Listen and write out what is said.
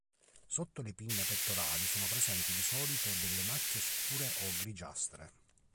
Sotto le pinne pettorali sono presenti di solito delle macchie scure o grigiastre.